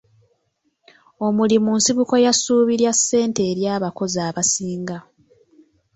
Omulimi nsibuko ya ssuubi lya ssente eri abakozi abasinga.